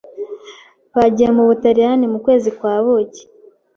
Bagiye mu Butaliyani mu kwezi kwa buki.